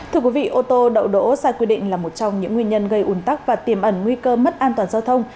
thưa quý vị ô tô đậu đỗ sai quy định là một trong những nguyên nhân gây ủn tắc và tiềm ẩn nguy cơ mất an toàn giao thông